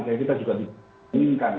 kayak kita juga diinginkan ya